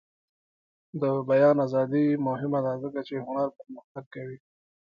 د بیان ازادي مهمه ده ځکه چې هنر پرمختګ کوي.